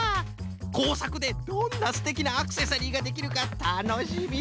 こうさくでどんなすてきなアクセサリーができるかたのしみたのしみフフ。